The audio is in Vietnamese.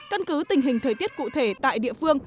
căn cứ tình hình thời tiết cụ thể tại địa phương